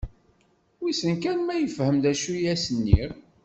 Wissen kan ma yefhem d acu i as-nniɣ?